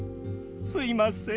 すいません。